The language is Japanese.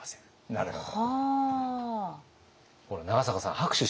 なるほど。